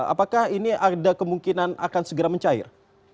apakah ini ada kemungkinan akan segera mencair